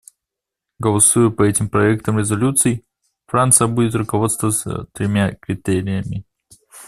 Голосуя по этим проектам резолюций, Франция будет руководствоваться тремя критериями.